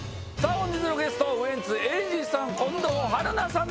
本日のゲストウエンツ瑛士さん